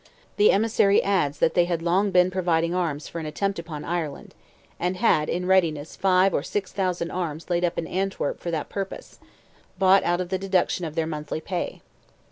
The emissary adds that they had long been providing arms for an attempt upon Ireland, "and had in readiness 5,000 or 6,000 arms laid up in Antwerp for that purpose, bought out of the deduction of their monthly pay."